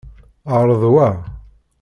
Ԑreḍ wa.